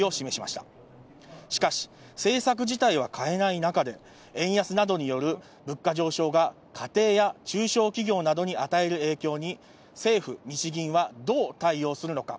しかし、政策自体は変えない中で、円安などによる物価上昇が家庭や中小企業などに与える影響に、政府・日銀はどう対応するのか。